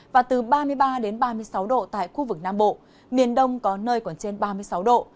và từ ba mươi ba đến ba mươi sáu độ tại khu vực nam bộ miền đông có nơi còn trên ba mươi sáu độ